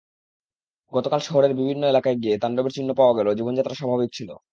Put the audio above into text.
গতকাল শহরের বিভিন্ন এলাকায় গিয়ে তাণ্ডবের চিহ্ন পাওয়া গেলেও জীবনযাত্রা স্বাভাবিক ছিল।